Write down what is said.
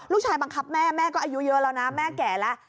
บังคับแม่แม่ก็อายุเยอะแล้วนะแม่แก่แล้ว